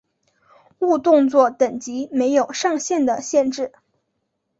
误动作等级没有上限的限制。